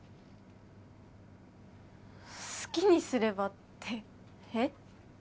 好きにすればってえっ？